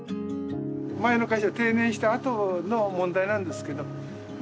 前の会社で定年したあとの問題なんですけどま